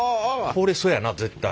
これそやな絶対。